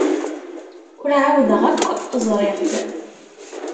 Ur ɛawdeɣ akk ẓriɣ-t.